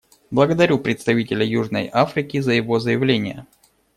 Благодарю представителя Южной Африки за его заявление.